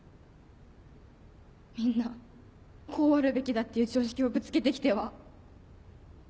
みんなこうあるべきだっていう常識をぶつけてきては。